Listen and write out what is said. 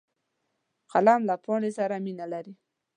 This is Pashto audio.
قلم له پاڼې سره مینه لري